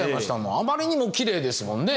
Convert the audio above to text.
あまりにもきれいですもんね。